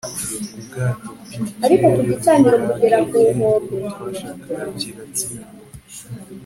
ubwato bufite ikirere'd buri rack, igihembo twashakaga kiratsindwa